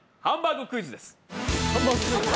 ハンバーグクイズ？